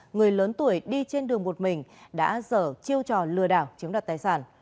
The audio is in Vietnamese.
người lớn tuổi đi trên đường một mình đã dở chiêu trò lừa đảo chiếm đoạt tài sản